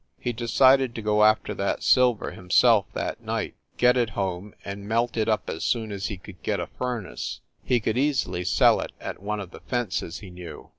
He decided to go after that silver himself that night, giet it home and melt it up as soon as he could get a furnace. He could easily sell it at one of the "fences" he knew.